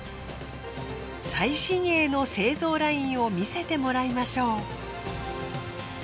最新鋭の製造ラインを見せてもらいましょう。